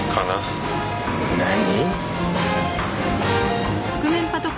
何？